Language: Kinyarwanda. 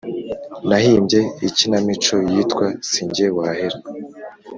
nahimbye ikinamico yitwa “sinjye wahera”,